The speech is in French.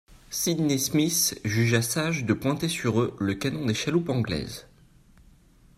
Sydney Smith jugea sage de pointer sur eux le canon des chaloupes anglaises.